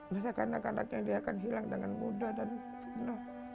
masa kanak kanaknya akan hilang dengan mudah dan penuh